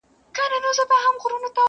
په لېمو کي راته وایي زما پوښتلي جوابونه،